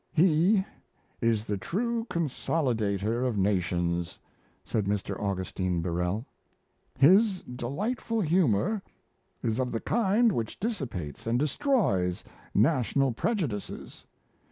"He is the true consolidator of nations," said Mr. Augustine Birrell. "His delightful humour is of the kind which dissipates and destroys national prejudices.